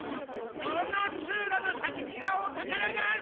この通路の先にはお宝がある！